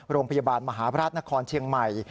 โรงพยาบาลมหาพระราชนครเชียงใหม่